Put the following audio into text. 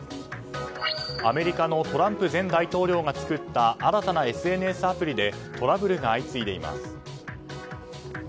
アメリカのトランプ前大統領が作った新たなＳＮＳアプリでトラブルが相次いでいます。